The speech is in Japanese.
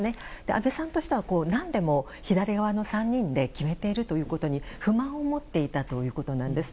安倍さんとしては、何でも左側の３人で決めていることに不満を持っていたということなんです。